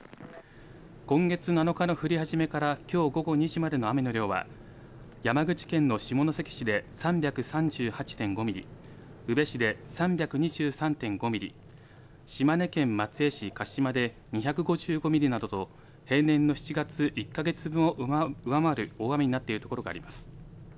今月７日の降り始めからきょう午後２時までの雨の量は山口県の下関市で３３８．５ミリ、宇部市で３２３．５ミリ、島根県松江市鹿島で２５５ミリなどと平年の７月１か月分を上回る大雨になっているところがあります。